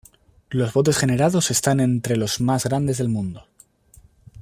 Los botes generados están entre los más grandes del mundo.